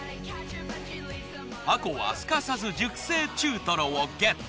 あこはすかさず熟成中とろをゲット。